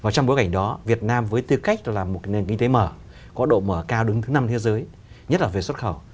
trong bối cảnh đó việt nam với tư cách là một nền kinh tế mở có độ mở cao đứng thứ năm thế giới nhất là về xuất khẩu